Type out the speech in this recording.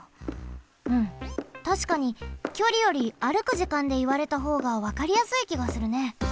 うんたしかにきょりより歩く時間でいわれたほうがわかりやすいきがするね。